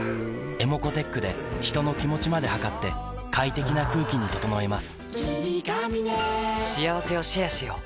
ｅｍｏｃｏーｔｅｃｈで人の気持ちまで測って快適な空気に整えます